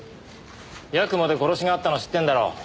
八雲で殺しがあったの知ってんだろ。